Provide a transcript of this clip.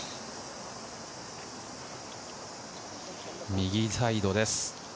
右サイドです。